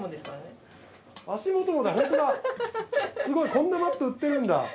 すごいこんなマット売ってるんだ。